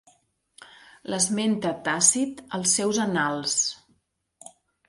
L'esmenta Tàcit als seus Annals.